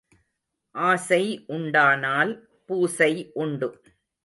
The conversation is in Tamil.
ஆசை உண்டானால் பூசை உண்டு.